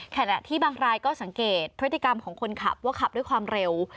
ขณะที่บางรายก็สังเกตพฤติกรรมของคนขับว่าขับด้วยความเร็ว